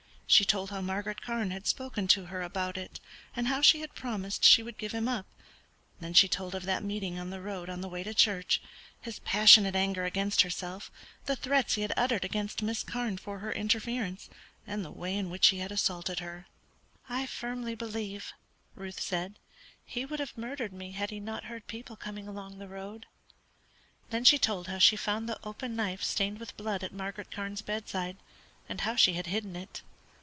She told how Margaret Carne had spoken to her about it, and how she had promised she would give him up; then she told of that meeting on the road on the way to church; his passionate anger against herself; the threats he had uttered against Miss Carne for her interference, and the way in which he had assaulted her. "I firmly believe," Ruth said, "he would have murdered me had he not heard people coming along the road." Then she told how she found the open knife stained with blood at Margaret Carne's bedside, and how she had hidden it.